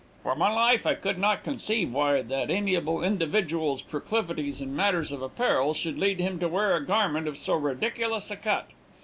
For my life I could not conceive why that amiable individual's proclivities in matters of apparel should lead him to wear a garment of so ridiculous a cut.